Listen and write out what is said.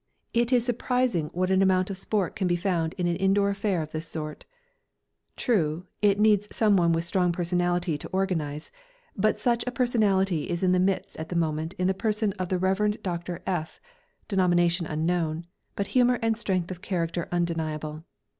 It is surprising what an amount of sport can be found in an indoor affair of this sort. True, it needs someone with a strong personality to organise, but such a personality is in our midst at the moment in the person of the Rev. Dr. F , denomination unknown, but humour and strength of character undeniable.